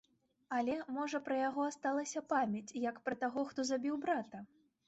Але, можа, пра яго асталася памяць, як пра таго, хто забіў брата?